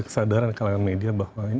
kesadaran kalangan media bahwa